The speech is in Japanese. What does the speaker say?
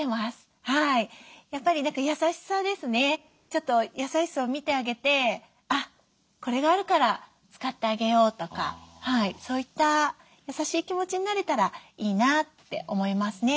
ちょっと野菜室を見てあげて「あっこれがあるから使ってあげよう」とかそういった優しい気持ちになれたらいいなって思いますね。